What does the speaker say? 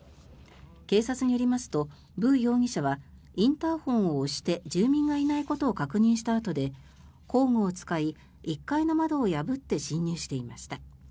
警察によりますとブ容疑者はインターホンを押して住人がいないことを確認したあとで工具を使い１階の窓を破って侵入しました。